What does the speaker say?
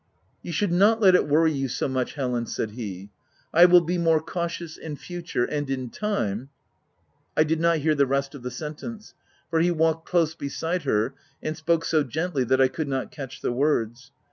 " You should not let it worry you so much' Helen," said he ;" I will be more cautious in future ; and in time —" I did not hear the rest of the sentence ; for he walked close beside her and spoke so gently that I could not catch the words.